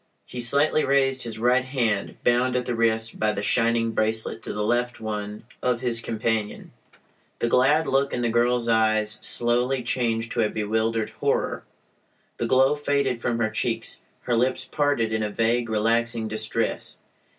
He slightly raised his right hand, bound at the wrist by the shining "bracelet" to the left one of his companion. The glad look in the girl's eyes slowly changed to a bewildered horror. The glow faded from her cheeks. Her lips parted in a vague, relaxing distress.